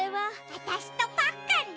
わたしとパックンね。